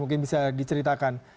mungkin bisa diceritakan